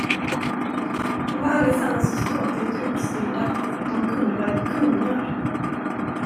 De var allesammans så ståtligt utstyrda, att de kunde ha varit kungar.